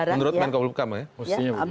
menurut men kalau belum kamu ya